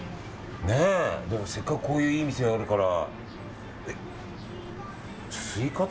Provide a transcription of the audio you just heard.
でも、せっかくこういういいお店あるから。